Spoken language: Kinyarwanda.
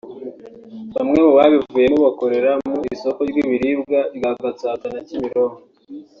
Bamwe mu babuvuyemo bakorera mu isoko ry’ibiribwa rya Gatsata na Kimironko